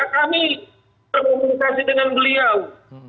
kami berkomunikasi dengan beliau